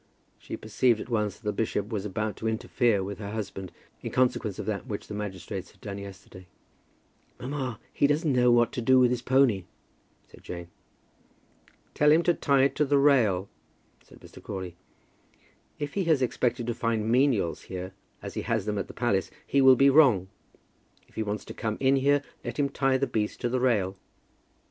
She perceived at once that the bishop was about to interfere with her husband in consequence of that which the magistrates had done yesterday. "Mamma, he doesn't know what to do with his pony," said Jane. "Tell him to tie it to the rail," said Mr. Crawley. "If he has expected to find menials here, as he has them at the palace, he will be wrong. If he wants to come in here, let him tie the beast to the rail."